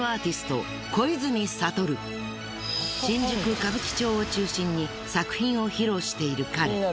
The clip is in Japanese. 新宿歌舞伎町を中心に作品を披露している彼。